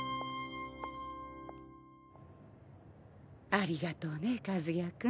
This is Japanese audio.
ありがとうね和也君。